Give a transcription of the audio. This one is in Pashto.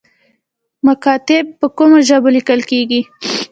مکاتیب په کومو ژبو لیکل کیږي؟